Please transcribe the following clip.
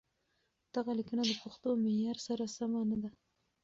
دغه ليکنه د پښتو معيار سره سمه نه ده.